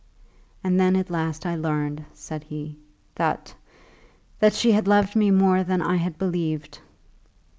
"And then at last I learned," said he, "that that she had loved me more than I had believed."